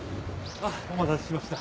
あっお待たせしました。